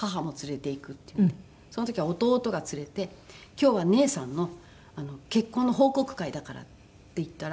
その時は弟が連れて「今日は姉さんの結婚の報告会だから」って言ったら。